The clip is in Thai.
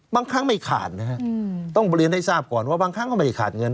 บางครั้งไม่ขาดนะฮะต้องเรียนให้ทราบก่อนว่าบางครั้งก็ไม่ได้ขาดเงิน